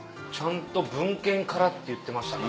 文献からって言ってましたから。